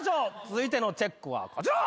続いてのチェックはこちら！